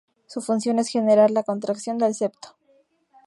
Su función es generar la contracción del septo.